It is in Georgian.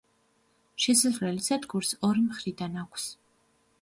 შესასვლელი სადგურს ორი მხრიდან აქვს.